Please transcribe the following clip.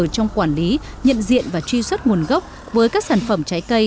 trong quản lý nhận diện và truy xuất nguồn gốc với các sản phẩm trái cây